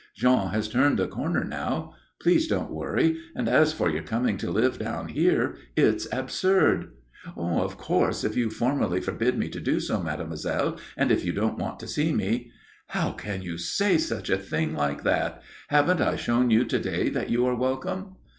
Jean has turned the corner now. Please don't worry. And as for your coming to live down here, it's absurd." "Of course, if you formally forbid me to do so, mademoiselle, and if you don't want to see me " "How can you say a thing like that? Haven't I shown you to day that you are welcome?"